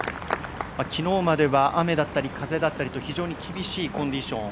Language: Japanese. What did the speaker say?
昨日までは雨だったり風だったりと非常に厳しいコンディション。